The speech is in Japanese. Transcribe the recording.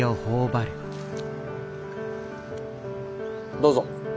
どうぞ。